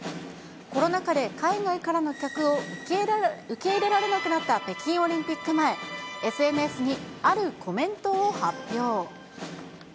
コロナ禍で海外からの客を受け入れられなくなった北京オリンピック前、ＳＮＳにあるコメントを発表。